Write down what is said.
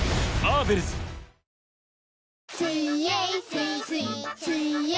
水泳